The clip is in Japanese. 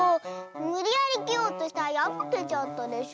むりやりきようとしたらやぶけちゃったでしょ！